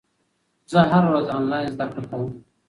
زه هره ورځ انلاین زده کړه کوم.